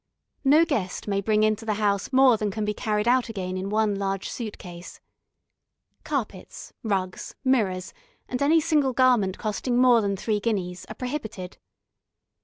No guest may bring into the house more than can be carried out again in one large suit case. Carpets, rugs, mirrors, and any single garment costing more than three guineas, are prohibited.